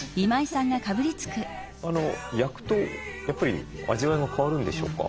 焼くとやっぱり味わいが変わるんでしょうか？